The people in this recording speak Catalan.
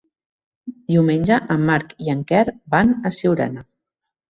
Diumenge en Marc i en Quer van a Siurana.